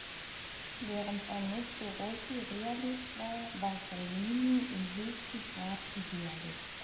Während Ernesto Rossi Realist war, war Salvini im höchsten Grad Idealist.